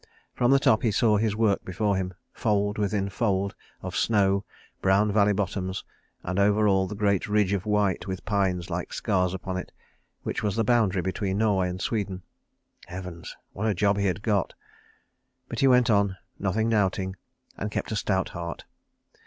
From the top he saw his work before him, fold within fold of snow, brown valley bottoms, and over all the great ridge of white with pines like scars upon it, which was the boundary between Norway and Sweden. Heavens! What a job he had got. But he went on, nothing doubting, and kept a stout heart.